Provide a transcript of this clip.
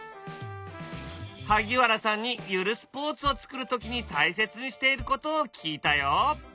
萩原さんにゆるスポーツを作る時に大切にしていることを聞いたよ。